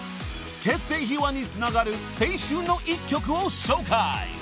［結成秘話につながる青春の一曲を紹介］